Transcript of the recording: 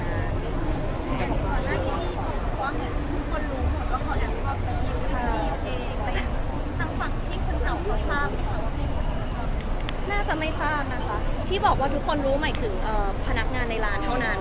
อย่างที่ก่อนหน้านี้ที่ทุกคนรู้หมดว่าเขาแบบชอบดีชอบดีเอง